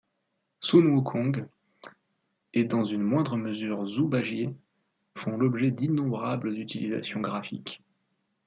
Sun Wukong et dans une moindre mesure Zhu Bajie font l'objet d'innombrables utilisations graphiques.